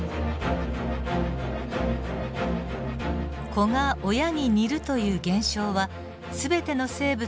子が親に似るという現象は全ての生物で見られます。